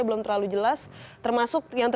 belum terlalu jelas termasuk yang